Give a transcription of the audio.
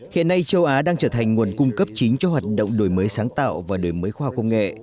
hiện nay châu á đang trở thành nguồn cung cấp chính cho hoạt động đổi mới sáng tạo và đổi mới khoa công nghệ